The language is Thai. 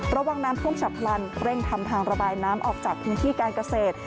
ระวังน้ำท่วมฉับพลันเร่งทำทางระบายน้ำออกจากพื้นที่การเกษตร